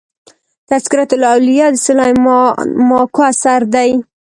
تذکرة الاولياء د سلېمان ماکو اثر دئ.